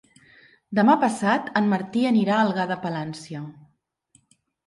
Demà passat en Martí anirà a Algar de Palància.